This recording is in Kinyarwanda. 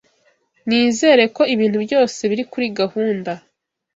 Nizere ko ibintu byose biri kuri gahunda.